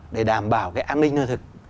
để đảm bảo an ninh ngân thực